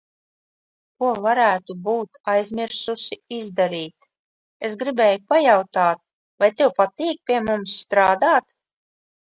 Ko varētu būt aizmirsusi izdarīt.– Es gribēju pajautāt vai tev patīk pie mums strādāt?